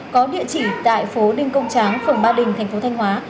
có địa chỉ tại phố đinh công tráng phường ba đình thành phố thanh hóa